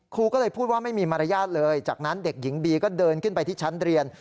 ครูก็เลยพูดว่าไม่มีมารยาทเลยจากนั้นเด็กหญิงบีก็เดินขึ้นไปที่ชั้นเรียน